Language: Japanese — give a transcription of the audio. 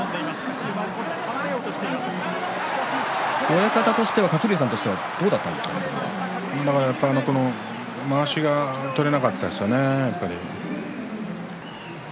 親方としては鶴竜さんとしてはまわしが取れなかったですかね。